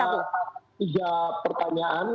ada tiga pertanyaan